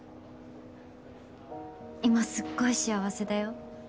今すっごい幸せだよ。